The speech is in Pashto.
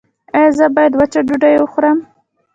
ایا زه باید وچه ډوډۍ وخورم؟